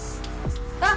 あっ！